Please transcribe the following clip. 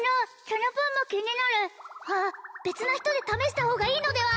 そのパンも気になるあっ別な人で試した方がいいのでは？